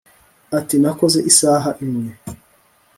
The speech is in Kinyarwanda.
ati nakoze isaha imwe